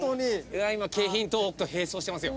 今京浜東北と並走してますよ。